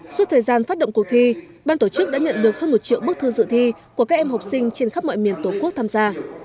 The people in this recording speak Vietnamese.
suốt thời gian phát động cuộc thi ban tổ chức đã nhận được hơn một triệu bức thư dự thi của các em học sinh trên khắp mọi miền tổ quốc tham gia